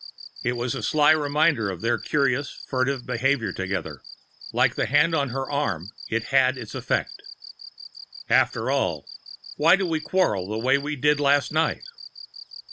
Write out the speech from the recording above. It was a sly reminder of their curious furtive behavior together; like the hand on her arm, it had its effect. "After all, why do we quarrel the way we did last night?"